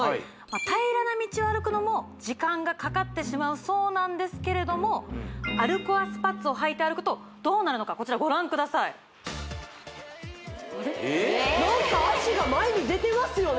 平らな道を歩くのも時間がかかってしまうそうなんですけれども歩コアスパッツをはいて歩くとどうなるのかこちらご覧くださいなんか足が前に出てますよね